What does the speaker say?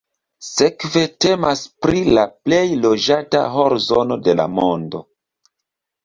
Sekve temas pri la plej loĝata horzono de la mondo.